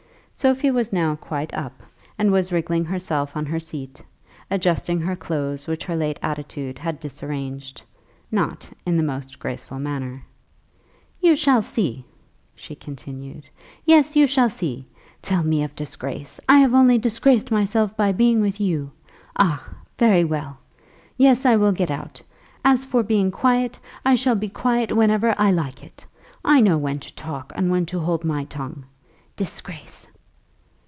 Sophie was now quite up, and was wriggling herself on her seat, adjusting her clothes which her late attitude had disarranged, not in the most graceful manner. "You shall see," she continued. "Yes, you shall see. Tell me of disgrace! I have only disgraced myself by being with you. Ah, very well. Yes; I will get out. As for being quiet, I shall be quiet whenever I like it. I know when to talk and when to hold my tongue. Disgrace!"